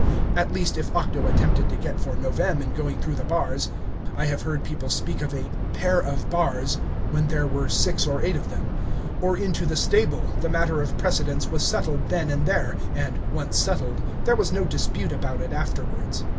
At least, if Octo attempted to get before Novem in going through the bars (I have heard people speak of a "pair of bars" when there were six or eight of them), or into the stable, the matter of precedence was settled then and there, and, once settled, there was no dispute about it afterwards.